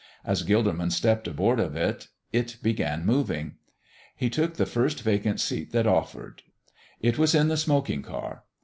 As Gilderman stepped aboard of it, it began moving. He took the first vacant seat that offered; it was in the smoking car.